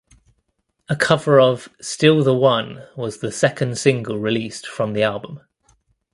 A cover of "Still the One" was the second single released from the album.